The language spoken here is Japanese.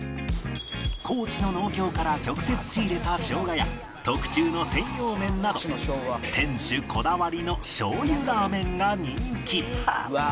高知の農協から直接仕入れた生姜や特注の専用麺など店主こだわりのしょうゆラーメンが人気